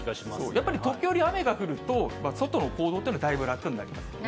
やっぱり時折雨が降ると、外の行動というのはだいぶ楽になりますね。